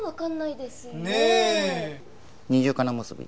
二重叶結び。